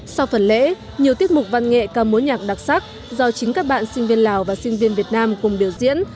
sau phần lễ nhiều tiết mục văn nghệ ca mối nhạc đặc sắc do chính các bạn sinh viên lào và sinh viên việt nam cùng biểu diễn